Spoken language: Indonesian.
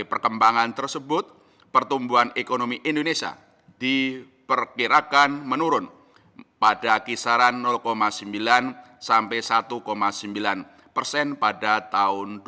perkembangan tersebut pertumbuhan ekonomi indonesia diperkirakan menurun pada kisaran sembilan sampai satu sembilan persen pada tahun dua ribu dua puluh